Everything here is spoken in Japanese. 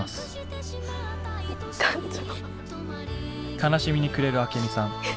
悲しみに暮れるアケミさん。